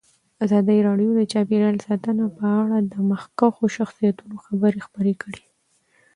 ازادي راډیو د چاپیریال ساتنه په اړه د مخکښو شخصیتونو خبرې خپرې کړي.